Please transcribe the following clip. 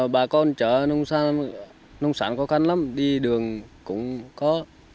bà con chở nông sản khó khăn lắm đi đường cũng có